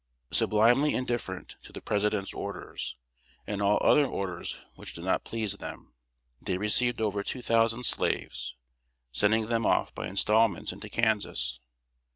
Sublimely indifferent to the President's orders, and all other orders which did not please them, they received over two thousand slaves, sending them off by installments into Kansas.